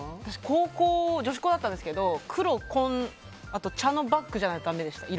高校、女子高だったんですけど黒、紺、茶のバッグじゃないとだめでした。